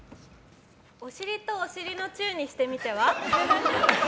お尻とお尻のチューにしてみては？